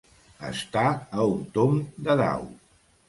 Estar a un tomb de dau.